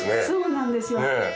そうなんですよ。ねぇ。